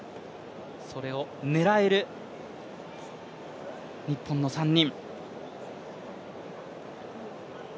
それを狙える日本の３人。